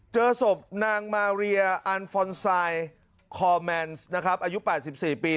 เจอศพนางมาเรียอันฟอนไซค์คอร์แมนส์นะครับอายุแปดสิบสี่ปี